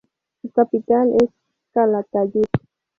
Su capital es Calatayud.